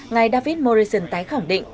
ngài david morrison tái khẳng định